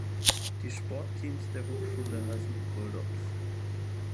Die Sportteams der Hochschule heißen "Bulldogs".